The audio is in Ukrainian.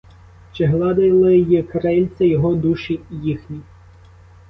Чи гладили й крильця його душі їхні?